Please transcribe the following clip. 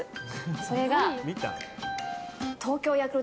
それが。